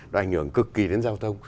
đã ảnh hưởng cực kỳ đến giao thông